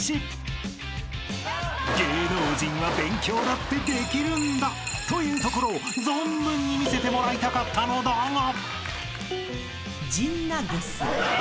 ［芸能人は勉強だってできるんだというところを存分に見せてもらいたかったのだが］